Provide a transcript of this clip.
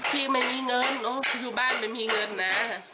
พี่ไม่มีเงินอยู่บ้านไม่มีเงินนะ